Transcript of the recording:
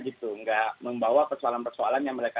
tidak membawa persoalan persoalan yang mereka